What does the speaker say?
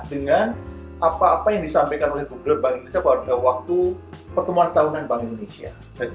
dengan apa apa yang disampaikan oleh google bank indonesia pada waktu pertemuan tahunan bank indonesia